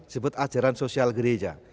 sebut ajaran sosial gereja